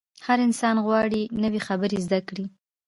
هر انسان غواړي نوې خبرې زده کړي.